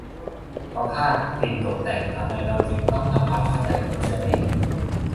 ประภาส ปิ่นตบแต่ง : ทำไมเราจึงต้องทำความเข้าใจคนเสื้อแดง